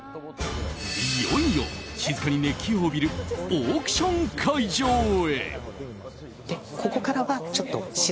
いよいよ静かに熱気を帯びるオークション会場へ。